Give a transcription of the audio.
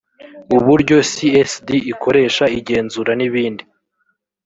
buryo csd ikoresha igenzura n ibindi